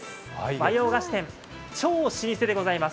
和洋菓子店、超老舗でございます。